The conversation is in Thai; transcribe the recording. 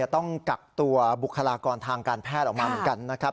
ต้องกักตัวบุคลากรทางการแพทย์ออกมาเหมือนกันนะครับ